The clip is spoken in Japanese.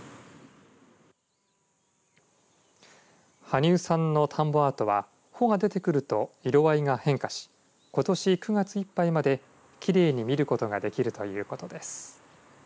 羽生さんの田んぼアートは穂が出てくると色合いが変化しことし９月いっぱいまできれいに見ることができるということです。